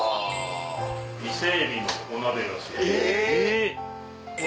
伊勢海老のお鍋らしい。